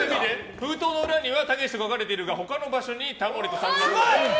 封筒の裏にはたけしと書かれているが他の場所にはタモリとさんまが。